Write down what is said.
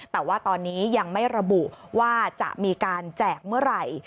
แต่ว่าตอนนี้ยังไม่ระบุว่าจะมีการแจกเมื่อไหร่